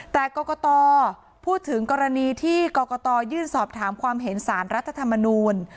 แต่กรกตพูดถึงกรณีที่กรกตยื่นสอบถามความเห็นสารรัฐธรรมนูล